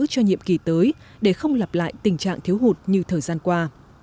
cho nhiệm kỳ tới để không lặp lại tình trạng thiếu hụt như thời gian qua